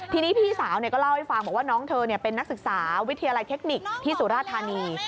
ทีนี้พี่สาวก็เล่าให้ฟังบอกว่าน้องเธอเป็นนักศึกษาวิทยาลัยเทคนิคที่สุราธานี